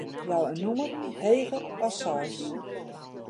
Jou in nûmer heger as seis.